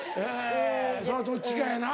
そのどっちかやな